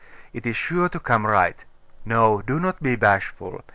It is sure to come right. No; do not be bashful.